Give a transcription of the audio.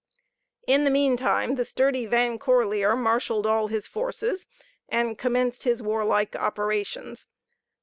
In the meantime the sturdy Van Corlear marshaled all his forces, and commenced his warlike operations.